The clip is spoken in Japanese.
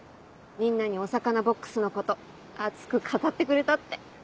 みんなにお魚ボックスのこと熱く語ってくれたって。